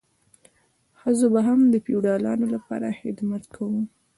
ښځو به هم د فیوډالانو لپاره خدمت کاوه.